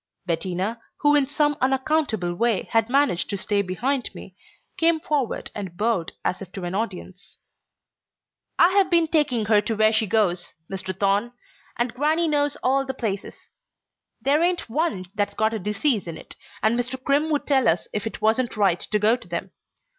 Bettina, who in some unaccountable way had managed to stay behind me, came forward and bowed as if to an audience. "I've been taking her to where she goes, Mr. Thorne, and grannie knows all the places. There ain't one that's got a disease in it, and Mr. Crimm would tell us if it wasn't right to go to them.